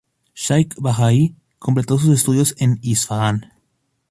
Shaykh Bahāʾī completó sus estudios en Isfahan.